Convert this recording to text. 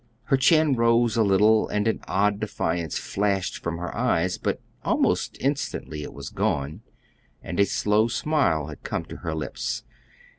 Her chin rose a little; and an odd defiance flashed from her eyes. But almost instantly it was gone, and a slow smile had come to her lips.